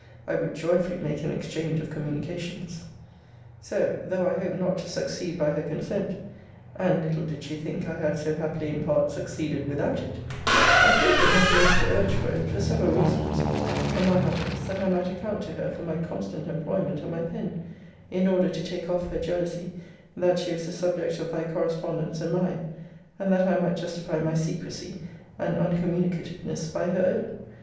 I would joyfully make an exchange of communications. So, though I hoped not to succeed by her consent, [and little did she think I had so happily in part succeeded without it,] I thought it not amiss to urge for it, for several reasons: among others, that I might account to her for my constant employment at my pen; in order to take off her jealousy, that she was the subject of thy correspondence and mine: and that I might justify my secrecy and uncommunicativeness by her own.